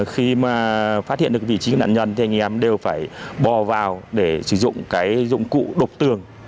khi mà phát hiện được vị trí nạn nhân thì anh em đều phải bò vào để sử dụng cái dụng cụ độc tường